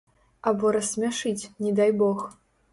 Або рассмяшыць, не дай бог.